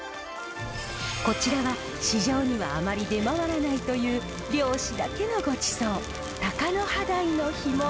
こちらは市場にはあまり出回らないという漁師だけのごちそうタカノハダイの干物。